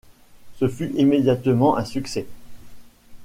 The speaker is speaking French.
Ce fut immédiatement un succès.